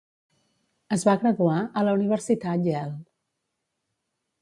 Es va graduar a la Universitat Yale.